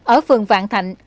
ở phường vạn thạnh